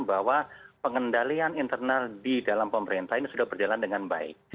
bahwa pengendalian internal di dalam pemerintah ini sudah berjalan dengan baik